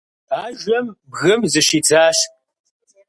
Ажэм бгым зыщидзащ.